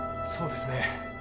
そうですね。